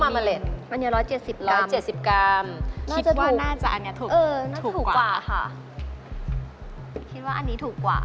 แป๊บหนึ่งน่า